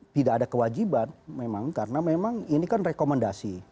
tidak ada kewajiban memang karena memang ini kan rekomendasi